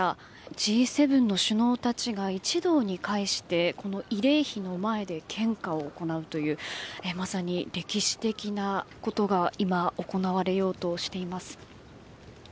Ｇ７の首脳たちが一堂に会してこの慰霊碑の前で献花を行うというまさに歴史的なことが今、行われようとしています。